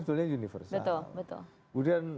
itu universal betul kemudian